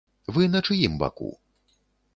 Вы на чыім баку?